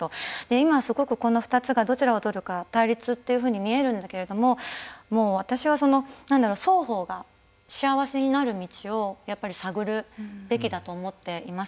今すごく、この２つがどちらをとるか対立というふうに見えるんだけれども私は双方が幸せになる道を探るべきだと思っています。